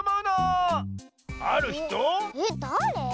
えっだれ？